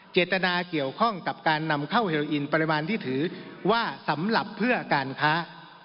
เจตนาเกี่ยวข้องกับการนำเข้าเฮโลอินปริมาณที่ถือว่าสำหรับเพื่อการค้า